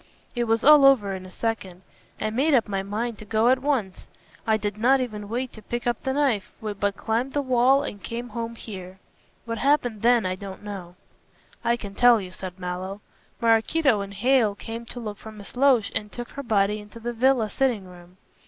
It was all over in a second. I made up my mind to go at once. I did not even wait to pick up the knife, but climbed the wall and came home here. What happened then I don't know." "I can tell you," said Mallow. "Maraquito and Hale came to look for Miss Loach and took her body into the villa sitting room.